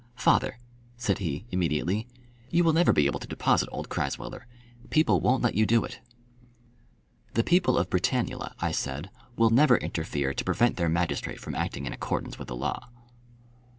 "Father," said he, immediately, "you will never be able to deposit old Crasweller. People won't let you do it." "The people of Britannula," I said, "will never interfere to prevent their magistrate from acting in accordance with the law."